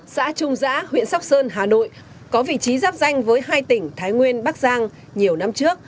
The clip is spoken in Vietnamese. xã trung giã huyện sóc sơn hà nội có vị trí giáp danh với hai tỉnh thái nguyên bắc giang nhiều năm trước